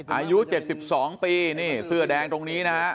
อายุ๗๒ปีนี่เสื้อแดงตรงนี้นะฮะ